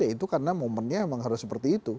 ya itu karena momennya memang harus seperti itu